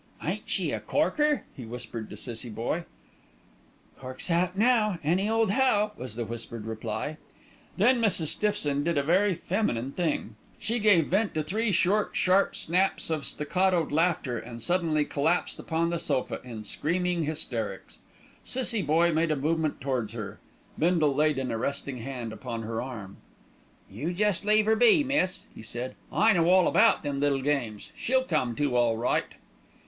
"Ain't she a corker!" he whispered to Cissie Boye. "Cork's out now, any old how," was the whispered reply. Then Mrs. Stiffson did a very feminine thing. She gave vent to three short, sharp snaps of staccatoed laughter, and suddenly collapsed upon the sofa in screaming hysterics. Cissie Boye made a movement towards her. Bindle laid an arresting hand upon her arm. "You jest leave 'er be, miss," he said. "I know all about them little games. She'll come to all right."